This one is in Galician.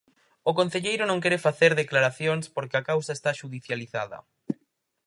O concelleiro non quere facer declaracións, porque a causa está xudicializada.